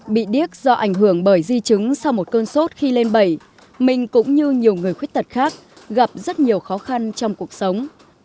bị điếc do ảnh hưởng bởi di chứng sau một cơn sốt khi lên bẩy minh cũng như nhiều người khuyết tật khác gặp rất nhiều khó khăn trong cuộc sống